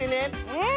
うん！